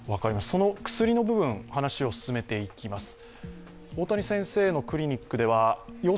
その薬の部分、話を進めていきます。